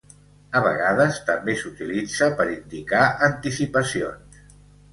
A vegades també s'utilitza per indicar anticipacions.